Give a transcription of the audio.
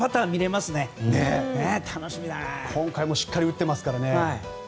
今回もしっかり打ってますからね。